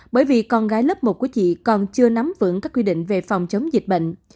bởi vì con gái lớp một của chị còn chưa nắm vững các quy định về phòng chống dịch bệnh